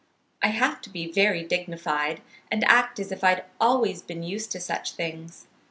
I have to be very dignified and act as if I had always been used to such things.